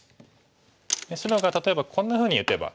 で白が例えばこんなふうに打てば。